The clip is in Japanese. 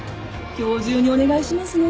今日中にお願いしますね。